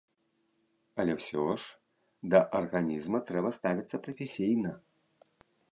Але ўсё ж да арганізма трэба ставіцца прафесійна.